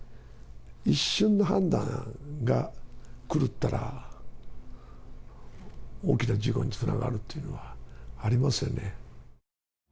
一瞬の判断が狂ったら、大きな事故につながるっていうのはありますよね。